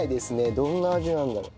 どんな味なんだろう？